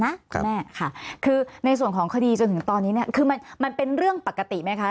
ในขณะขะสารที่ได้มาถือที่มันเป็นเรื่องปกติไหมคะ